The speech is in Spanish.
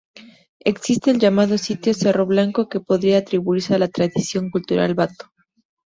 Existe el llamado sitio Cerro Blanco, que podría atribuirse a la tradición cultural Bato.